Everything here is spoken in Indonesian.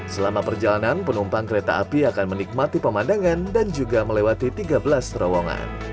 selama perjalanan penumpang kereta api akan menikmati pemandangan dan juga melewati tiga belas terowongan